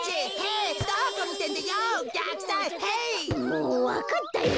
もうわかったよ。